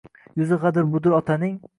Yuzi gʼadir-budur otaning